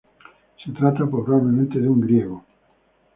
Se trata probablemente de un griego, n. ca.